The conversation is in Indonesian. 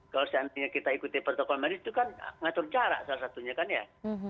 kalau seandainya kita ikuti protokol medis itu kan ngatur jarak salah satunya kan ya